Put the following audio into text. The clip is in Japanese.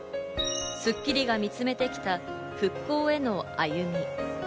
『スッキリ』が見つめてきた、復興への歩み。